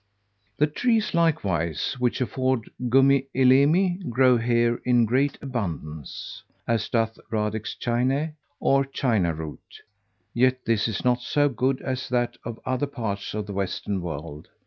The trees, likewise, which afford gummi elemi, grow here in great abundance; as doth radix Chinæ, or China root: yet this is not so good as that of other parts of the western world.